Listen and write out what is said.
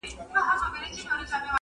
ورور مي اخلي ریسوتونه ښه پوهېږم.